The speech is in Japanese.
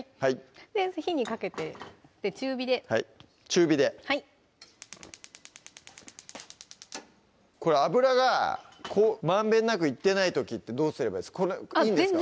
火にかけて中火ではい中火でこれ油がこうまんべんなくいってない時ってどうすればいいです？